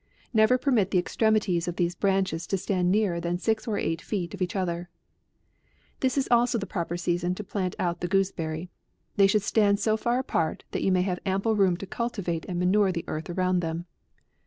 Never permit the extremities of the branches to stand nearer than six or eight inches of each other. This is also a proper season to plant out the gooseberry. They should stand so far apart, that you may have ample room to cul tivate and manure the earth around them.